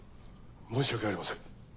申し訳ありません。